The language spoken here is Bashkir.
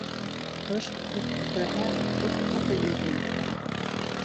Ҡыш күк күкрәһә, бик ҡаты ел булыр.